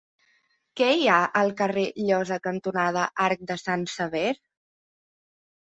Què hi ha al carrer Llosa cantonada Arc de Sant Sever?